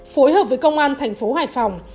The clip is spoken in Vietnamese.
phối hợp với công an thành phố hải phòng